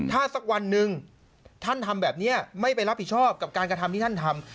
ถ้าสักวันหนึ่งท่านทำแบบนี้ไม่ไปรับผิดชอบกับการกระทำที่ท่านทำ